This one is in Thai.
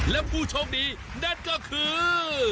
และผู้โชคดีนั่นก็คือ